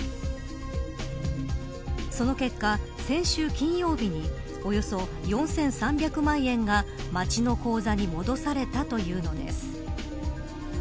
その結果、先週金曜日におよそ４３００万円が町の口座に戻されたというのです。